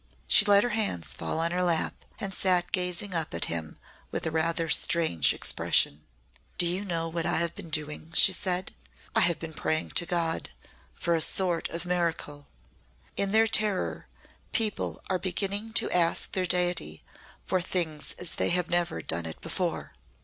She let her hands fall on her lap and sat gazing up at him with a rather strange expression. "Do you know what I have been doing?" she said. "I have been praying to God for a sort of miracle. In their terror people are beginning to ask their Deity for things as they have never done it before.